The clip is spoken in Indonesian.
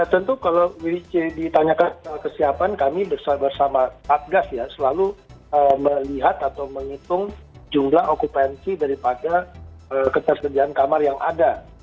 tentu kalau ditanyakan kesiapan kami bersama satgas ya selalu melihat atau menghitung jumlah okupansi daripada ketersediaan kamar yang ada